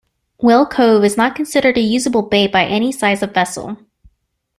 Whale Cove is not considered a usable bay by any size of vessel.